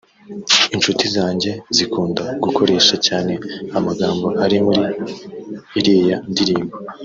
“Inshuti zanjye zikunda gukoresha cyane amagambo ari muri iriya ndirimbo